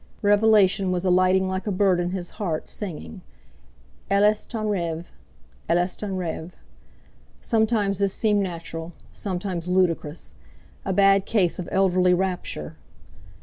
Revelation was alighting like a bird in his heart, singing: "Elle est ton rêve! Elle est ton rêve!" Sometimes this seemed natural, sometimes ludicrous—a bad case of elderly rapture.